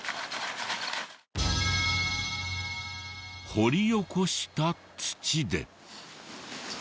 掘り起こした土で。